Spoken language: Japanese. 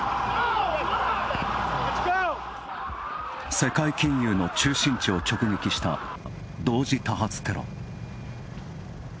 世界金融の中心地を直撃した同時多発テロ。